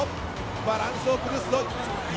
バランスを崩すぞ。